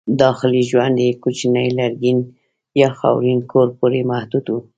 داخلي ژوند یې کوچني لرګین یا خاورین کور پورې محدود و.